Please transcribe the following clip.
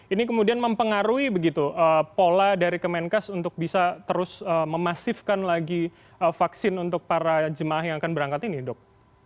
ini kemudian mempengaruhi begitu pola dari kemenkes untuk bisa terus memasifkan lagi vaksin untuk para jemaah yang akan berangkat ini dok